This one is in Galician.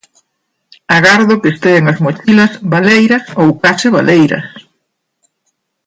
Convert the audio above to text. Agardo que estean as mochilas baleiras ou case baleiras.